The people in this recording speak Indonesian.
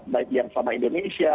baik yang sama indonesia